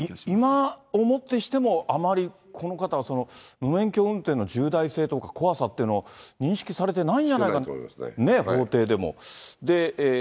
今をもってしても、あまり、この方は無免許運転の重大性とか、怖さってのを認識されてないんじゃないかって、法廷でも。